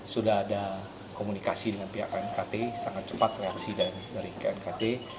sudah ada komunikasi dengan pihak knkt sangat cepat reaksi dari knkt